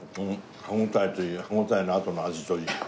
歯応えといい歯応えのあとの味といい。